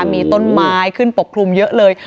มีต้นไม้ขึ้นปกคลุมเยอะเลย